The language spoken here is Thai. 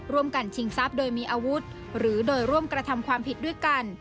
ชิงทรัพย์โดยมีอาวุธหรือโดยร่วมกระทำความผิดด้วยกัน